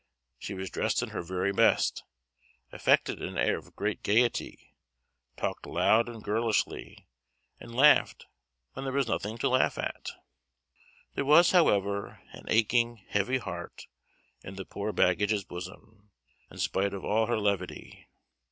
She was dressed in her very best; affected an air of great gaiety: talked loud and girlishly, and laughed when there was nothing to laugh at. There was, however, an aching, heavy heart, in the poor baggage's bosom, in spite of all her levity.